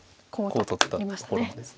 コウを取ったところまでです。